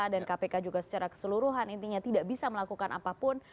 dan kpk juga secara keseluruhan intinya tidak bisa melakukan apapun